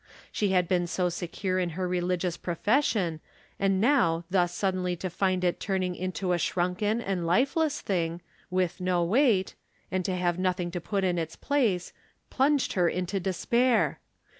She had been so secure in her religious profession, and now thus suddenly to find it turning into a shrun ken and lifeless thing, with no weight, and to have nothing to jjut in its place, plunged her into despair.